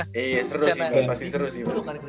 iya iya seru sih pasti seru sih